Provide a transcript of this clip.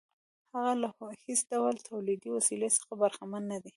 هغه له هېڅ ډول تولیدي وسیلې څخه برخمن نه دی